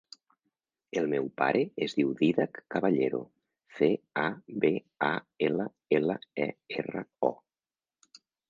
El meu pare es diu Dídac Caballero: ce, a, be, a, ela, ela, e, erra, o.